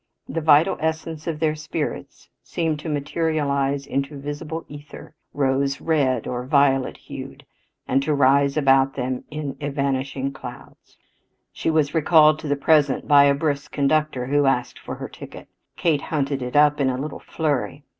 The vital essence of their spirits seemed to materialize into visible ether, rose red or violet hued, and to rise about them in evanishing clouds. She was recalled to the present by a brisk conductor who asked for her ticket. Kate hunted it up in a little flurry.